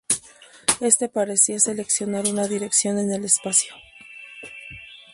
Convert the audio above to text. Este parecía seleccionar una dirección en el espacio.